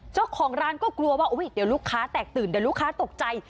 เจ้าของร้านก็กลัวว่าเดี๋ยวลูกค้าแตกตื่นเดี๋ยวลูกค้าตกใจ